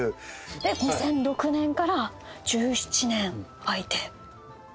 ２００６年から１７年空いて今回です。